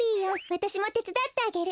わたしもてつだってあげる。